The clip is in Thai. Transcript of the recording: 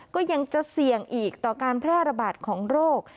ก็ยังจะเสี่ยงอีกต่อการแพร่ระบาดของโรค